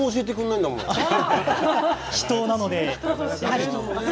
秘湯なので。